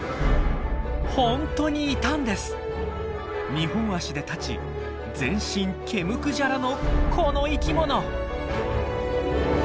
２本足で立ち全身毛むくじゃらのこの生きもの。